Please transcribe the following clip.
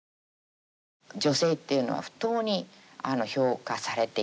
女性っていうのは不当に評価されていない。